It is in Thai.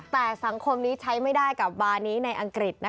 แต่สังคมนี้ใช้ไม่ได้กับวานี้ในอังกฤษ